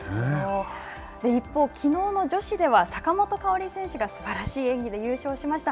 一方きのうの女子では坂本花織選手がすばらしい演技で優勝しました。